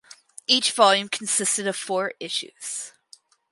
Each volume consisted of four issues.